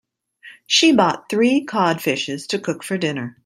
She bought three cod fishes to cook for dinner.